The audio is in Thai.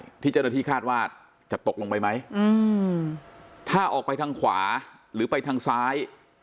เจ้าหน้าที่คาดว่าจะตกลงไปไหมอืมถ้าออกไปทางขวาหรือไปทางซ้าย